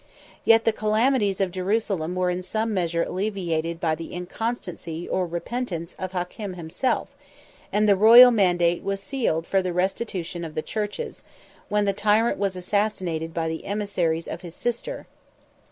69 Yet the calamities of Jerusalem were in some measure alleviated by the inconstancy or repentance of Hakem himself; and the royal mandate was sealed for the restitution of the churches, when the tyrant was assassinated by the emissaries of his sister.